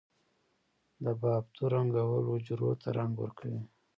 د بافتو رنگول حجرو ته رنګ ورکوي.